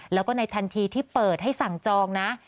แล้วก็ในทันทีที่เปิดให้สั่งจองนะ